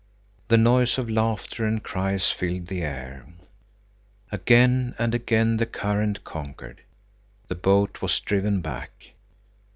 The noise of laughter and cries filled the air. Again and again the current conquered. The boat was driven back.